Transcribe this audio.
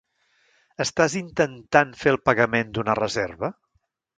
Estàs intentant fer el pagament d'una reserva?